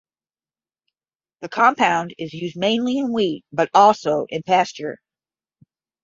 The compound is used mainly in wheat but also in pasture.